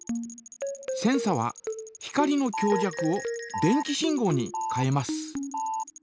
センサは光の強弱を電気信号に変えます。